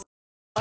あ！